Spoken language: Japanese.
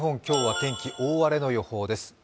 今日は天気大荒れの予報です。